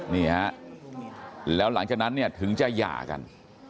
นี่ฮะแล้วหลังจากนั้นเนี่ยถึงจะหย่ากัน